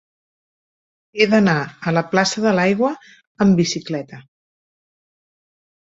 He d'anar a la plaça de l'Aigua amb bicicleta.